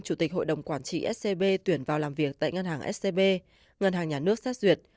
chủ tịch hội đồng quản trị scb tuyển vào làm việc tại ngân hàng scb ngân hàng nhà nước xét duyệt